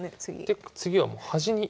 次はもう端に。